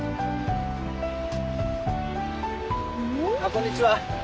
こんにちは。